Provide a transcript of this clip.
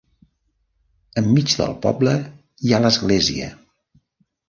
Enmig del poble hi ha l’església.